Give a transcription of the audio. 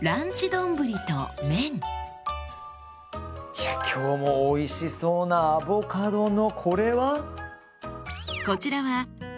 いや今日もおいしそうなアボカドのこれは？